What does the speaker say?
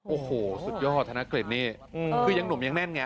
โอ้โหสุดยอดธนกฤษนี่คือยังหนุ่มยังแน่นไง